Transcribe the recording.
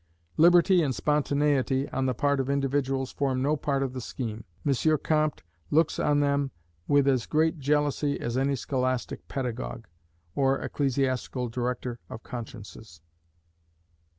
Liberty and spontaneity on the part of individuals form no part of the scheme. M. Comte looks on them with as great jealousy as any scholastic pedagogue, or ecclesiastical director of consciences.